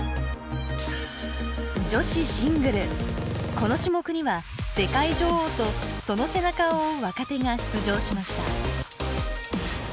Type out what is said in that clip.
この種目には世界女王とその背中を追う若手が出場しました。